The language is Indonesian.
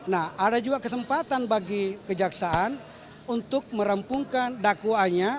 nah ada juga kesempatan bagi kejaksaan untuk merampungkan dakwaannya